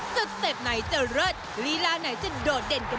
สเต็ปไหนจะโรดลีลาไหนจะโดดเด็ดนัดของ